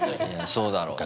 そうだろうな。